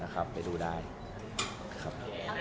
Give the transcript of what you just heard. ขอบคุณนะครับ